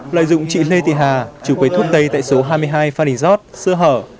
lợi dụng chị lê thị hà chủ quầy thuốc tây tại số hai mươi hai phan đình giót sơ hở